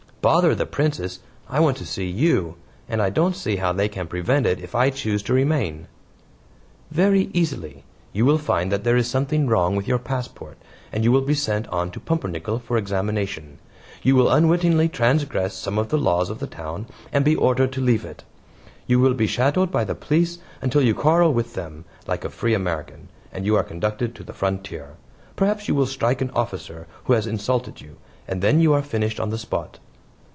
"Bother the Princess! I want to see YOU. And I don't see how they can prevent it if I choose to remain." "Very easily. You will find that there is something wrong with your passport, and you will be sent on to Pumpernickel for examination. You will unwittingly transgress some of the laws of the town and be ordered to leave it. You will be shadowed by the police until you quarrel with them like a free American and you are conducted to the frontier. Perhaps you will strike an officer who has insulted you, and then you are finished on the spot."